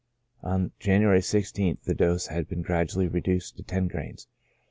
On January the i6th the dose had been gradually reduced to ten grains.